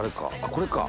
これか！